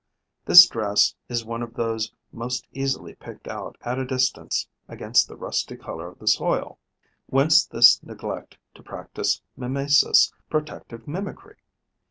This dress is one of those most easily picked out at a distance against the rusty colour of the soil. Whence this neglect to practise mimesis, 'protective mimicry'?